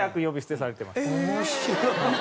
面白い！